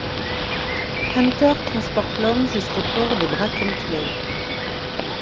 Hunter transporte l'homme jusqu'au port de Bracken Clell.